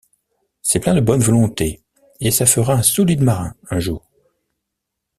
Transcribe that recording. C’est plein de bonne volonté, et ça fera un solide marin un jour.